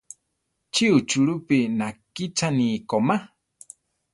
Chi uchulúpi nakíchani komá?